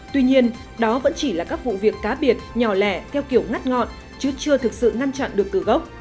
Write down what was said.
tuy nhiên đó vẫn chỉ là các vụ việc cá biệt nhỏ lẻ theo kiểu ngắt ngọn chứ chưa thực sự ngăn chặn được từ gốc